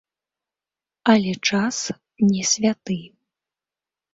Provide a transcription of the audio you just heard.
Але час не святы.